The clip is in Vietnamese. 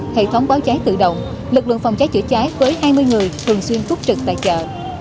hệ thống báo trái tự động lực lượng phòng trái chữa trái với hai mươi người thường xuyên cúp trực tài trợ